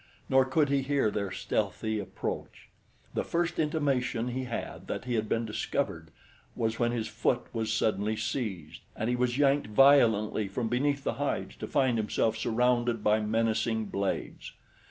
Nor could he hear their stealthy approach. The first intimation he had that he had been discovered was when his foot was suddenly seized, and he was yanked violently from beneath the hides to find himself surrounded by menacing blades.